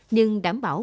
nhưng đảm bảo